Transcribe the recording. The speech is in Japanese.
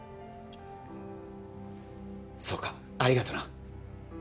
そうかありがとな